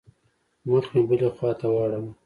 مخ مې بلې خوا ته واړاوه.